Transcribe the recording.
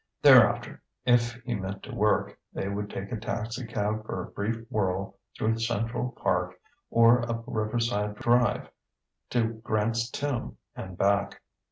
Thereafter, if he meant to work, they would take a taxicab for a brief whirl through Central Park or up Riverside Drive to Grant's Tomb and back.